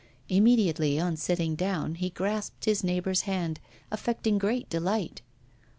Immediately on sitting down he grasped his neighbour's hand, affecting great delight.